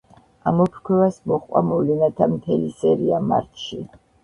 ამოფრქვევას მოჰყვა მოვლენათა მთელი სერია მარტში.